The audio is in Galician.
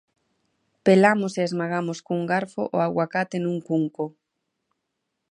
Pelamos e esmagamos cun garfo o aguacate nun cunco.